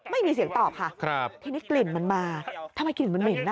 ไม่มีเสียงตอบค่ะครับทีนี้กลิ่นมันมาทำไมกลิ่นมันเหม็นอ่ะ